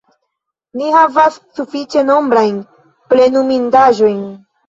Ni havas sufiĉe nombrajn plenumindaĵojn.